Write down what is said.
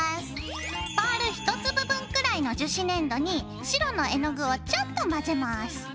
パール１粒分くらいの樹脂粘土に白の絵の具をちょっと混ぜます。